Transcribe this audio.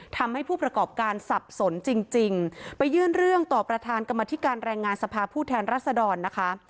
ทำให้ผู้ประกอบการสับสนจริงจริงไปยื่นเรื่องต่อประธานกรรมธิการแรงงานสภาพผู้แทนรัศดรนะคะ